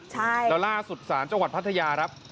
แล้วล่าสุดสารจังหวัดพัทยารับ